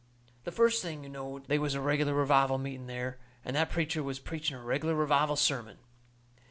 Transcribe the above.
The first thing you knowed they was a reg'lar revival meeting there, and that preacher was preaching a reg'lar revival sermon.